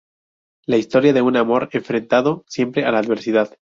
La historia de un amor enfrentado siempre a la adversidad.